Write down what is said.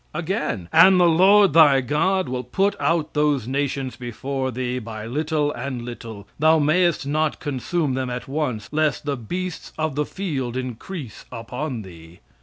Again: "And the Lord thy God will put out those nations before thee by little and little; thou mayest not consume them at once, lest the beasts of the field increase upon thee."